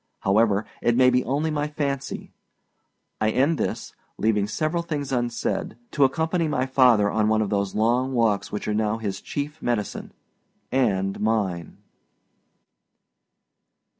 However, it may be only my fancy.... I end this, leaving several things unsaid, to accompany my father on one of those long walks which are now his chief medicine and mine!